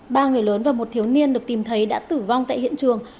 ba người lớn và một thiếu niên được tìm thấy đã tử vong tại hiện trường